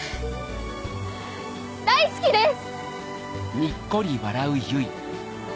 大好きです！